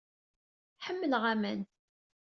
Ḥemmleɣ aman.